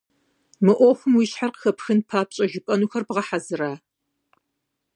Мы Ӏуэхум уи щхьэр къыхэпхын папщӀэ жыпӀэнухэр бгъэхьэзыра?